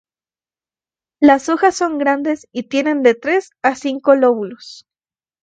Las hojas son grandes y tienen de tres a cinco lóbulos.